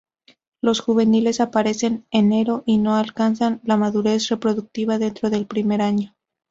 Los juveniles aparecen enero y no alcanzan la madurez reproductiva dentro del primer año.